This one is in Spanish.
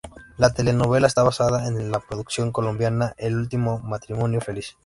La telenovela está basada en la producción colombiana "El último matrimonio feliz".